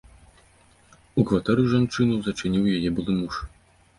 У кватэры жанчыну зачыніў яе былы муж.